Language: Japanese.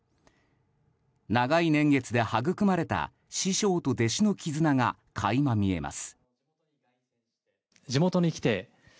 長い年月ではぐくまれた師匠と弟子の絆が垣間見えます。